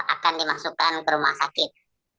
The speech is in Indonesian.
akan dimasukkan ke rumah sakit